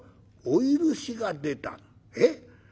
お許しが出た。